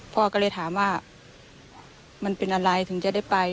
พ่อก็เลยถามว่ามันเป็นอะไรถึงจะได้ไป